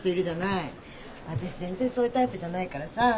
私全然そういうタイプじゃないからさ。